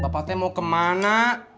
bapak teh mau kemana